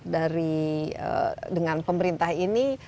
dari dengan pemerintah ini